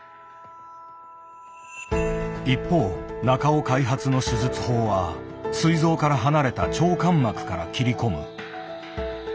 一方中尾開発の手術法はすい臓から離れた腸間膜から切り込む。